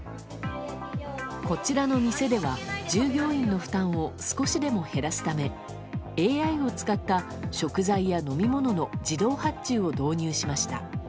こちらの店では、従業員の負担を少しでも減らすためＡＩを使った食材や飲み物の自動発注を導入しました。